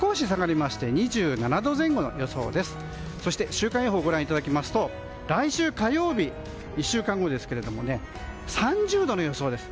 週間予報をご覧いただきますと来週火曜日、１週間後ですが３０度の予想です。